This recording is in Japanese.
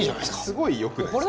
すごいよくないですか？